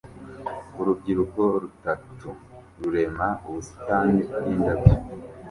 Urubyiruko rutatu rurema ubusitani bwindabyo